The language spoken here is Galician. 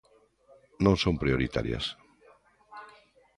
Non son prioritarias.